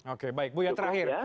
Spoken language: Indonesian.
oke baik buya terakhir